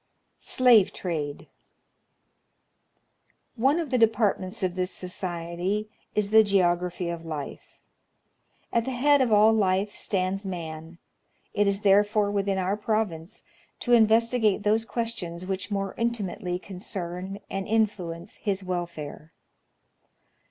Slave Trade. One of the depai'tments of this society is the geography of life. At the head of all life stands man : it is therefore within our province to investigate those questions which more intimately concern and influence his welfare.